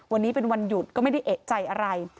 วันนี้เป็นวันหยุดก็ไม่ได้เอกใจอะไร